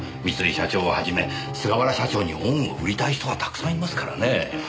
三井社長をはじめ菅原社長に恩を売りたい人はたくさんいますからねえ。